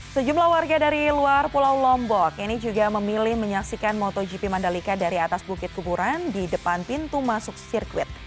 sejumlah warga dari luar pulau lombok ini juga memilih menyaksikan motogp mandalika dari atas bukit kuburan di depan pintu masuk sirkuit